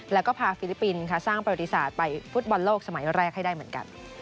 และก็พาไฟลิปปีนสร้างโปรธิษฐ์ไปฟุตบอลโลกสมัยแรกให้ได้เหมือนกัน